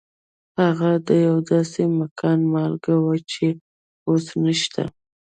هغه د یو داسې مکان مالک و چې اوس نشته